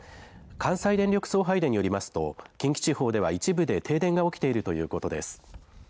関西電力送配電によりますと近畿地方では一部で停電が起きているということです。